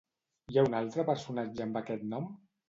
Hi ha un altre personatge amb aquest nom?